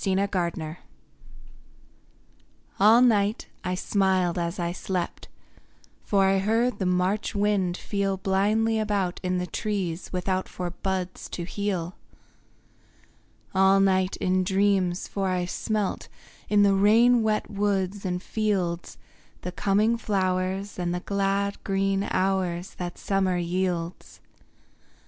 INTIMATION All night I smiled as I slept, For I heard the March wind feel Blindly about in the trees without For buds to heal. All night in dreams, for I smelt, In the rain wet woods and fields, The coming flowers and the glad green hours That summer yields.